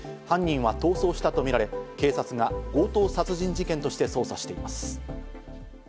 犯人は逃走したとみられ、警察が強盗殺人事件として捜査しています。